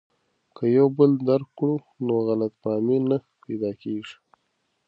که یو بل درک کړو نو غلط فهمي نه پیدا کیږي.